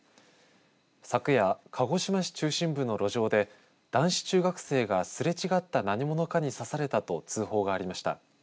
昨夜、鹿児島市中心部の路上で男子中学生がすれ違った何者かに刺されたと通報がありました。